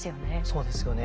そうですよね。